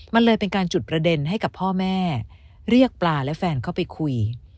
มันเลยเป็นการจุดประเด็นให้กับพ่อแม่เรียกปลาและแฟนเข้าไปคุย